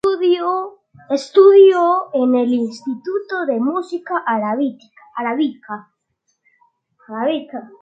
Estudió en el "Instituto de Música Arábica.